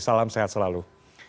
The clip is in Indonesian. salam sehat selalu